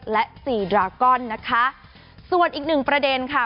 และสี่ดรากอนนะคะส่วนอีกหนึ่งประเด็นค่ะ